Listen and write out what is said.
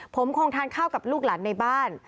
ผมคงทานข้าวกับลูกหลานในบ้าน